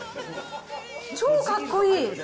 超かっこいい。